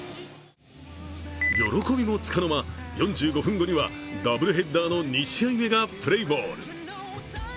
喜びもつかの間、４５分後にはダブルヘッダーの２試合目がプレーボール。